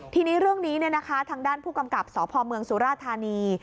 ทีนี้เรื่องนี้ทางด้านผู้กำกับสพเมืองสุราธานี